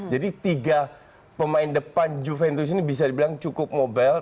jadi tiga pemain depan juventus ini bisa dibilang cukup mobile